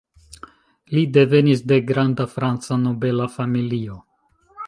Li devenis de granda franca nobela familio.